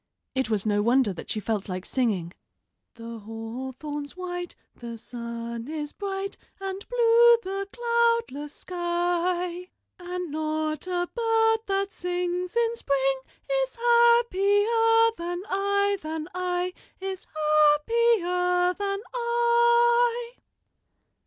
It was no wonder that she felt like singing: "The hawthorn's white, the sun is bright, And blue the cloudless sky; And not a bird that sings in spring Is happier than I, than I, Is happier than I."